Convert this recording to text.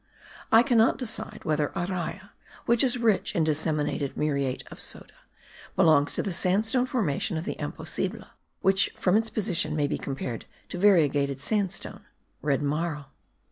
I cannot decide whether Araya, which is rich in disseminated muriate of soda, belongs to the sandstone formation of the Imposible, which from its position may be compared to variegated sandstone (red marl).